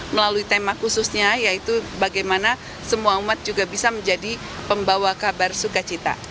melalui tema khususnya yaitu bagaimana semua umat juga bisa menjadi pembawa kabar sukacita